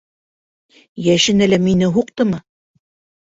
Йәшен әллә мине һуҡтымы?